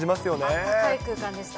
あったかい空間でした。